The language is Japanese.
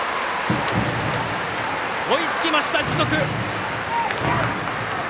追いつきました、樹徳！